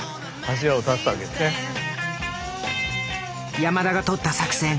山田がとった作戦。